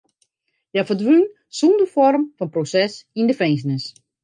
Hja ferdwûn sonder foarm fan proses yn de finzenis.